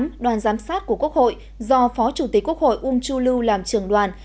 ngày hai mươi bảy tháng tám đoàn giám sát của quốc hội do phó chủ tịch quốc hội um chu lu làm trường đoàn